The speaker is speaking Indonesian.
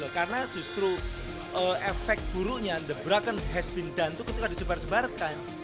karena justru efek buruknya the broken has been done itu kan disembar sebarkan